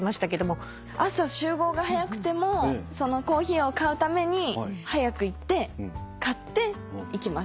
朝集合が早くてもそのコーヒーを買うために早く行って買っていきます。